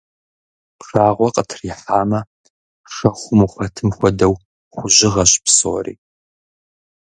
Пшагъуэ къытрихьамэ, шэхум ухэтым хуэдэу хужьыгъэщ псори.